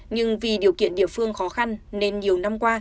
nhưng vì điều kiện địa phương khó khăn nên nhiều năm qua